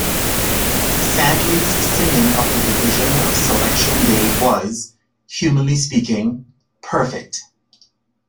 'Santley's singing of the division of Selection Day was, humanly speaking, perfect.